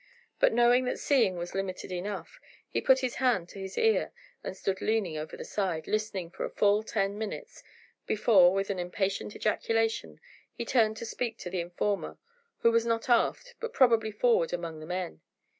But knowing that seeing was limited enough, he put his hand to his ear and stood leaning over the side, listening for a full ten minutes, before, with an impatient ejaculation, he turned to speak to the informer, who was not aft but probably forward among the men.